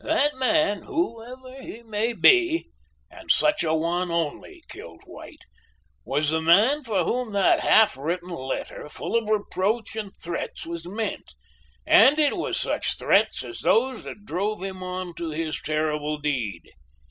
"That man, whoever he may be, and such a one only killed White, was the man for whom that half written letter full of reproach and threats was meant, and it was such threats as those that drove him on to his terrible deed.